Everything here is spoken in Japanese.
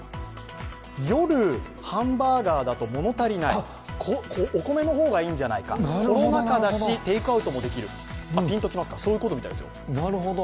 夜ハンバーガーだと物足りない、お米の方がいいんじゃないか、コロナ禍だしテイクアウトもできる、そういうことらしいですよ。